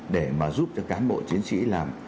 để mà giúp cho cán bộ chiến sĩ làm